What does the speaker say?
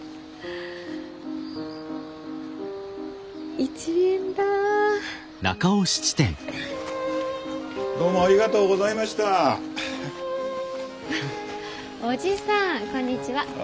あっおじさんこんにちは。